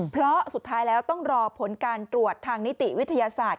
เพราะสุดท้ายแล้วต้องรอผลการตรวจทางนิติวิทยาศาสตร์